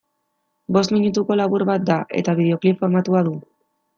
Bost minutuko labur bat da, eta bideoklip formatua du.